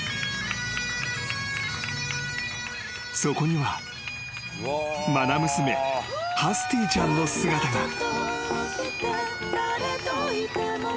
［そこには愛娘ハスティちゃんの姿が］